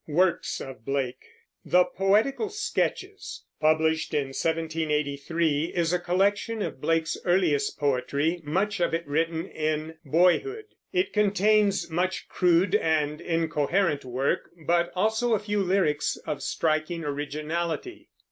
WORKS OF BLAKE. The Poetical Sketches, published in 1783, is a collection of Blake's earliest poetry, much of it written in boyhood. It contains much crude and incoherent work, but also a few lyrics of striking originality.